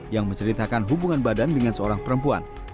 yang menceritakan hubungan badan dengan seorang perempuan